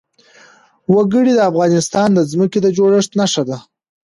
وګړي د افغانستان د ځمکې د جوړښت نښه ده.